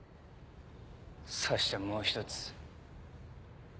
そしてもう一つ。